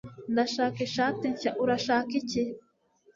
Ndashaka ishati nshya. Urashaka iki?